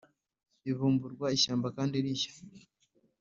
ivumburwa ishyamba kandi rishya,